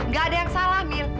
gak ada yang salah mil